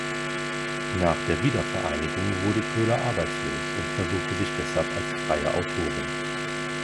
Nach der Wiedervereinigung wurde Köhler arbeitslos und versuchte sich deshalb als freie Autorin.